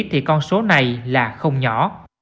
thì con số này là không nhỏ